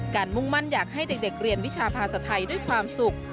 มุ่งมั่นอยากให้เด็กเรียนวิชาภาษาไทยด้วยความสุข